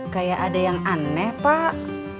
kayak ada yang aneh pak